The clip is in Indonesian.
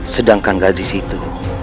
sedangkan gadis itu